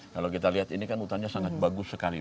kalau kita lihat ini kan hutannya sangat bagus sekali